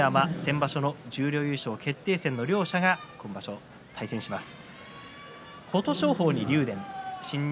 場所の十両の優勝決定戦の両者が明日対戦します。